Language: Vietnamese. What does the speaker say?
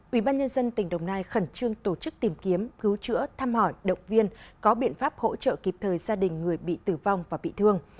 ubnd tỉnh đồng nai khẩn trương tổ chức tìm kiếm cứu chữa thăm hỏi động viên có biện pháp hỗ trợ kịp thời gia đình người bị tử vong và bị thương